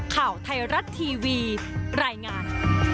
ข่าวไทยรัฐทีวีรายงาน